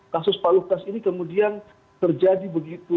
kasus pak lukas ini kemudian terjadi begitu